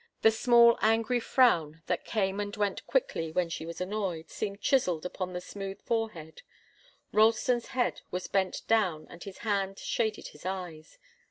The small, angry frown that came and went quickly when she was annoyed, seemed chiselled upon the smooth forehead. Ralston's head was bent down and his hand shaded his eyes.